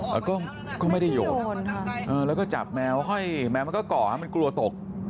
แล้วก็ไม่ได้โยนแล้วก็จับแมวห้อยแมวมันก็เกาะมันกลัวตก